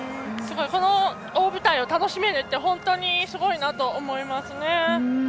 大舞台を楽しめてて本当にすごいなと思います。